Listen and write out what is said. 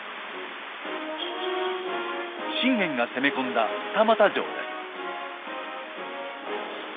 信玄が攻め込んだ二俣城です。